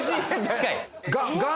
近い？